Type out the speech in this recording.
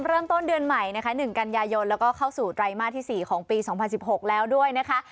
เริ่มต้นเดือนใหม่นะคะหนึ่งกันยายนแล้วก็เข้าสู่ไตรมาสที่สี่ของปีสองพันสิบหกแล้วด้วยนะคะ